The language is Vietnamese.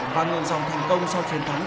và ngừng dòng thành công sau chiến thắng